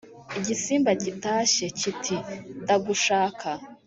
igisimba gitashye kiti:dagushaka